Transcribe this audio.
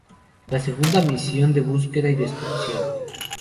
La segunda misión de búsqueda y destrucción.